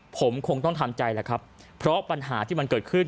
ผมคงต้องทำใจแหละครับเพราะปัญหาที่มันเกิดขึ้น